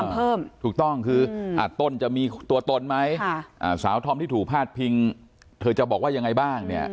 เหมือนไหมสาวท้อมที่ถูกพลาดพิงเธอจะบอกว่ายังไงบ้างเนี่ย